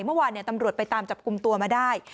เมื่อวานตำรวจไปตามจับกลุ่มตัวมาได้